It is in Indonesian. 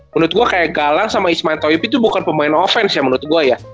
menurut gue kayak galang sama ismail toyopi itu bukan pemain offense ya menurut gue ya